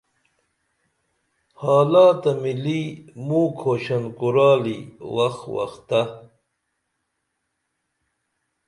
حالاتہ مِلی مو کھوشن کورالی وخ وختہ